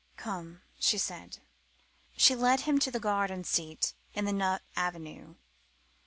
"Come," she said. She led him to the garden seat in the nut avenue.